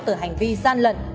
từ hành vi gian lận